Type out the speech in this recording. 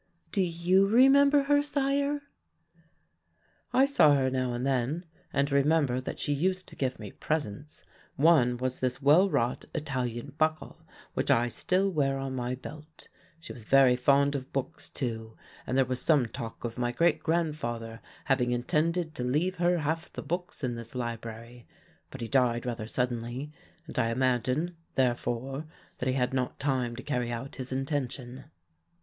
"Do you remember her, sire?" "I saw her now and then and remember that she used to give me presents, one was this well wrought Italian buckle, which I still wear on my belt. She was very fond of books too, and there was some talk of my great grandfather having intended to leave her half the books in this library; but he died rather suddenly and I imagine, therefore, that he had not time to carry out his intention."